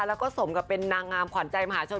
แล้วก็สมกับเป็นนางงามขวัญใจมหาชน